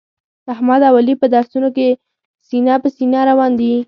احمد او علي په درسونو کې سینه په سینه روان دي.